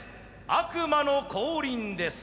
悪魔の降臨です。